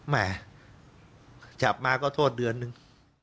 แม่จับมาก็โทษเดือนนึง